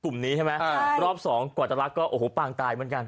กลุ่มนี้ใช่ไหมอ่ารอบสองกว่าจะรักก็โอ้โหปางตายเหมือนกัน